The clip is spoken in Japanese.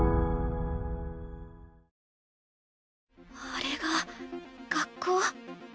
あれが学校。